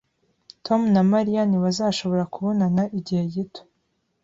Tom na Mariya ntibazashobora kubonana igihe gito